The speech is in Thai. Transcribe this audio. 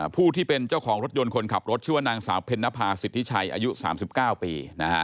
ผู้ที่เป็นเจ้าของรถยนต์คนขับรถชื่อนางสพศอายุ๓๙ปี